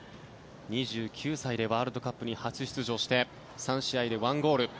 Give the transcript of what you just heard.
２９歳でワールドカップに初出場して３試合で１ゴール。